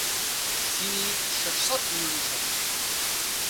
چینی شەشسەد ملیۆنیش هەبوو